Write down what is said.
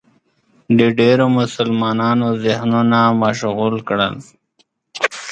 د ډېرو مسلمانانو ذهنونه مشغول کړل